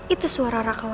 itu suara rakah